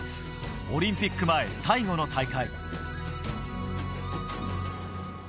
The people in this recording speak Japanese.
オリンピック前最後の大会。